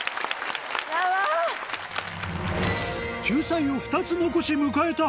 救済を２つ残し迎えた